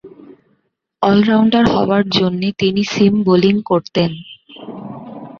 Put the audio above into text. All-rounder হবার জন্যে তিনি সিম বোলিং করতেন।